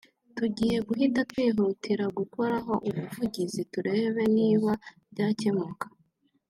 tugiye guhita twihutira gukoraho ubuvugizi turebe niba byakemuka